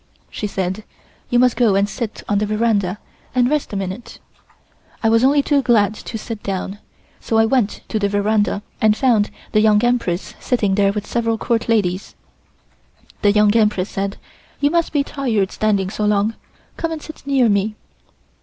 She said: "You must go and sit on the veranda and rest a minute." I was only too glad to sit down, so I went to the veranda and found the Young Empress sitting there with several Court ladies. The Young Empress said: "You must be tired standing so long. Come and sit near me."